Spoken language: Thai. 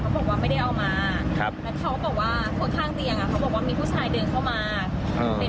ลองเดินเข้ามาแต่เขาก็ไม่ได้สนใจเราคิดว่าย่าดอยู่ในห้องไง